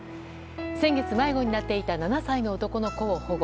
先月、迷子になっていた７歳の男の子を保護。